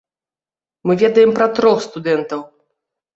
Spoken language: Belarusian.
Мы ведаем пра трох студэнтаў.